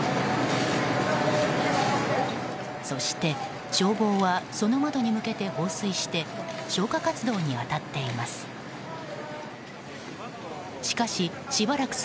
そして、消防はその窓に向けて放水して消火活動に当たっています。